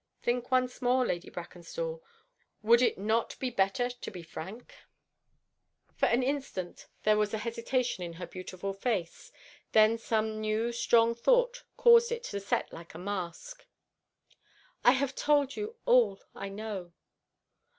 "Think once more, Lady Brackenstall. Would it not be better to be frank?" For an instant there was hesitation in her beautiful face. Then some new strong thought caused it to set like a mask. "I have told you all I know."